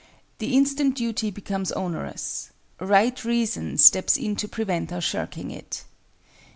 The instant Duty becomes onerous, Right Reason steps in to prevent our shirking it.